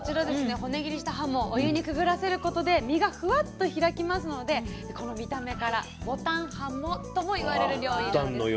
はもお湯にくぐらせることで身がふわっと開きますのでこの見た目から「牡丹はも」とも言われる料理なんですね。